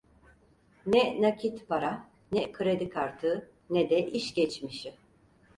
Ne nakit para, ne kredi kartı, ne de iş geçmişi…